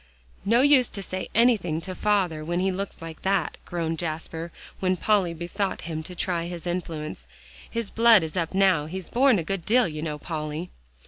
"No use to say anything to father when he looks like that," groaned Jasper, when Polly besought him to try his influence, "his blood is up now; he's borne a good deal, you know, Polly."